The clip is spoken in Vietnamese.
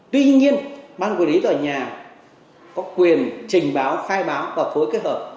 tuy nhiên bang quản lý tòa nhà có quyền trình báo phai báo và phối kết hợp